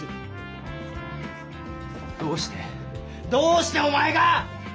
どうしてどうしておまえが！